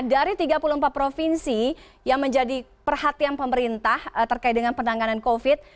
dari tiga puluh empat provinsi yang menjadi perhatian pemerintah terkait dengan penanganan covid